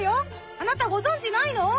あなたごぞんじないの？